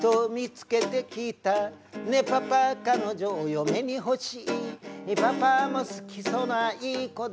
「ねパパ彼女をお嫁にほしい」「パパも好きそうないい子だ」